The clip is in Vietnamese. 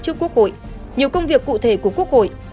trước quốc hội nhiều công việc cụ thể của quốc hội